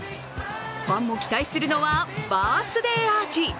ファンも期待するのはバースデーアーチ。